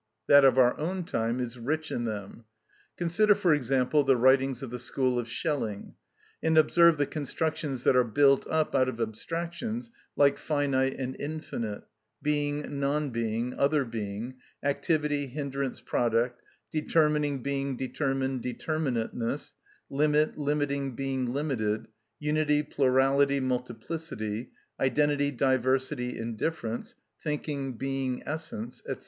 That of our own time is rich in them. Consider, for example, the writings of the school of Schelling, and observe the constructions that are built up out of abstractions like finite and infinite—being, non being, other being—activity, hindrance, product—determining, being determined, determinateness—limit, limiting, being limited—unity, plurality, multiplicity—identity, diversity, indifference—thinking, being, essence, &c.